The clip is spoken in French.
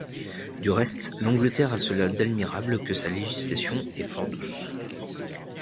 Du reste, l’Angleterre a cela d’admirable que sa législation est fort douce.